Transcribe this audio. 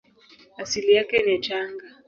Asili yake ni Tanga.